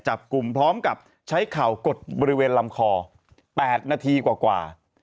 จับกลุ่มพร้อมกับใช้เข่ากดบริเวณลำคอ๘นาทีกว่า